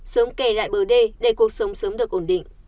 sớm kè lại bờ đê để cuộc sống sớm được ổn định